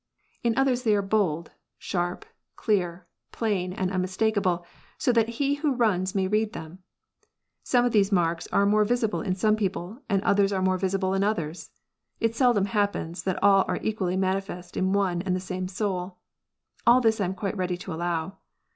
In others they are bold, sharp, clear, plain, and unmistakable, so that he who runs may read them. Some of these marks are more visible in some people, and others are more visible in others. It seldom happens that all are equally manifest in one and the same soul. All this I am quite ready to allow.